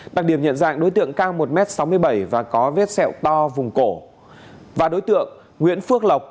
đặc điểm nhận dạng đối tượng cao một m sáu mươi bảy và có vết sẹo to vùng cổ và đối tượng nguyễn phước lộc